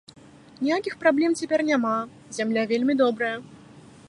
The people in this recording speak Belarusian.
Ніякіх праблем цяпер няма, зямля вельмі добрая.